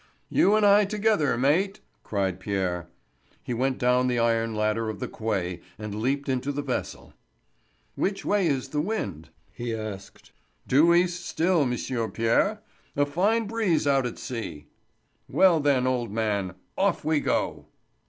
"You and I together, mate," cried Pierre. He went down the iron ladder of the quay and leaped into the vessel. "Which way is the wind?" he asked. "Due east still, M'sieu Pierre. A fine breeze out at sea." "Well, then, old man, off we go!"